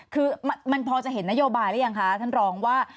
คือมันพอจะเห็นนโยบายหรือยังคะท่านรองว่า